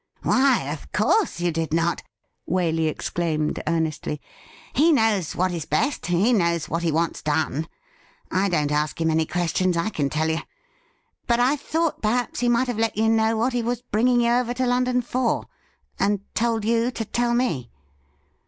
' Why, of course you did not,' Waley exclaimed earnestly. ' He knows what is best ; he knows what he wants done. I don't ask him any questions, I can tell you. But I thought perhaps he might have let you know what he was bringing you over to London for, and told you to tell me.'